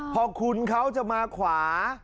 พอคุณเขาจะมาขวา